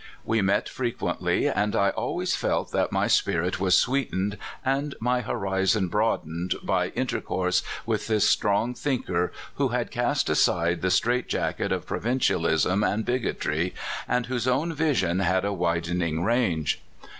We met frequently, and I always felt that my spirit was sweetened, and my horizon broadened, by in tercourse with this strong thinker who had cast aside the strait jacket of provincialism and big otry, and whose own vision had a widening range.